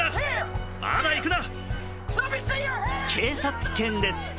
警察犬です。